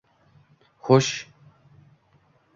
— Xo‘sh?